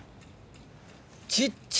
小っちゃ！